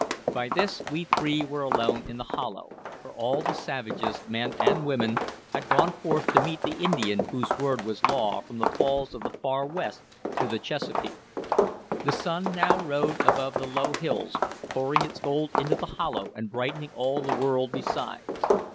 By this we three were alone in the hollow, for all the savages, men and women, had gone forth to meet the Indian whose word was law from the falls of the far west to the Chesapeake. The sun now rode above the low hills, pouring its gold into the hollow and brightening all the world besides.